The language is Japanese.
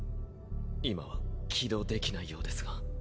今は起動できないようですが。